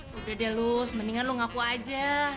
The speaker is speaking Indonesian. sudah deh lu sebaiknya lu ngaku aja